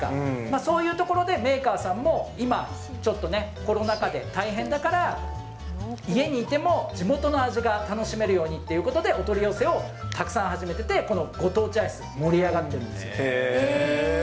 そういうところでメーカーさんも今、ちょっとね、コロナ禍で大変だから、家にいても、地元の味が楽しめるようにということでお取り寄せをたくさん始めてて、このご当地アイス、盛り上がってるんですよ。